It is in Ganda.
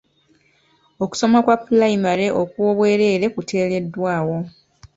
Okusoma kwa pulayimale okw'obwereere kuteereddwawo.